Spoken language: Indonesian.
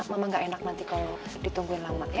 mama ga enak nanti kalo ditungguin lama ya